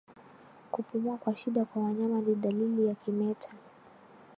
Kupumua kwa shida kwa wanyama ni dalili ya kimeta